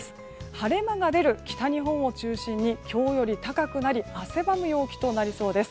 晴れ間が出る北日本を中心に今日より高くなり汗ばむ陽気となりそうです。